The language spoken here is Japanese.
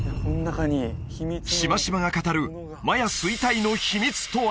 シマシマが語るマヤ衰退の秘密とは？